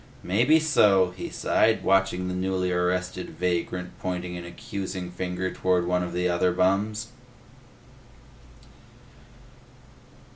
"Maybe so," he sighed, watching the newly arrested vagrant pointing an accusing finger toward one of the other bums.